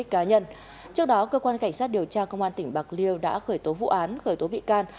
cảnh sát điều tra công an tỉnh bạc liêu đã khởi tố vụ án khởi tố bị can